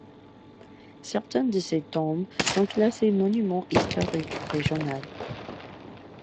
Certaines de ses tombes sont classées monument historique régional.